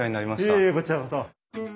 いえいえこちらこそ。